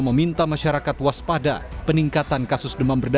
meminta masyarakat waspada peningkatan kasus demam berdarah